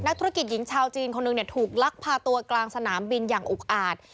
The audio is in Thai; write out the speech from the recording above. ธุรกิจหญิงชาวจีนคนหนึ่งเนี่ยถูกลักพาตัวกลางสนามบินอย่างอุกอาจ